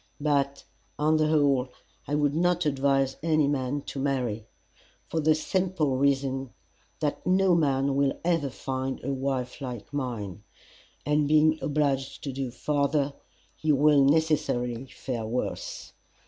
But, on the whole, I would not advise any man to marry, for the simple reason that no man will ever find a wife like mine, and being obliged to go farther, he will necessarily fare worse.